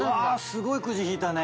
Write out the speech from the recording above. すごいくじ引いたね。